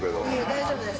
大丈夫です。